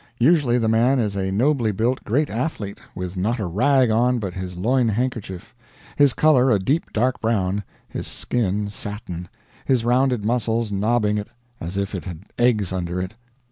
Usually the man is a nobly built great athlete, with not a rag on but his loin handkerchief; his color a deep dark brown, his skin satin, his rounded muscles knobbing it as if it had eggs under it.